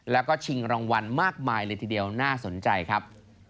แล้วก็ชิงรางวัลมากมายเลยทีเดียวน่าสนใจครับ